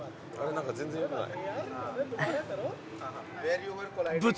なんか全然よくない。